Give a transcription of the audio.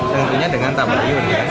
tentunya dengan tamayun